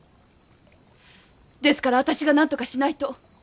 ですから私が何とかしないと。